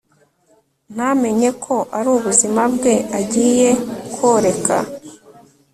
ntamenye ko ari ubuzima bwe agiye koreka